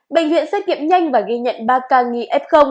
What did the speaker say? bệnh viện xét nghiệm nhanh và ghi nhận ba ca nghi f